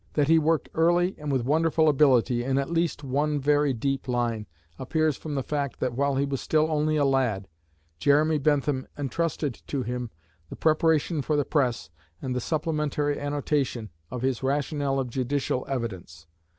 That he worked early and with wonderful ability in at least one very deep line, appears from the fact that while he was still only a lad, Jeremy Bentham intrusted to him the preparation for the press, and the supplementary annotation, of his "Rationale of Judicial Evidence."